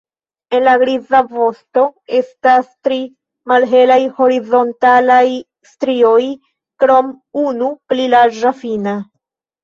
En la griza vosto estas tri malhelaj horizontalaj strioj krom unu pli larĝa fina.